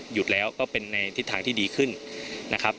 หยุดแล้วก็เป็นในทิศทางที่ดีขึ้นนะครับ